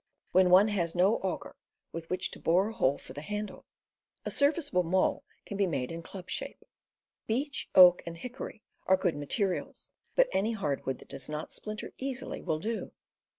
When one has no augur with which to bore a hole for the handle, a serviceable maul can be made in club shape. Beech, oak, and hickory are good materials, but any hardwood that does not splin ter easily will do.